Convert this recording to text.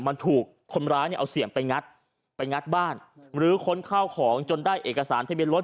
มันถูกคนร้ายเนี่ยเอาเสี่ยงไปงัดไปงัดบ้านหรือค้นข้าวของจนได้เอกสารทะเบียนรถ